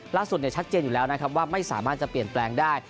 ชัดเจนอยู่แล้วนะครับว่าไม่สามารถจะเปลี่ยนแปลงได้